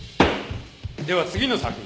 では次の作品。